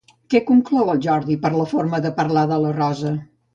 Què conclou el Jordi per la forma de parlar de la Rosa?